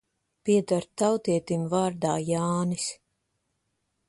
Pieder tautietim vārdā Jānis.